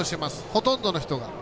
ほとんどの人が。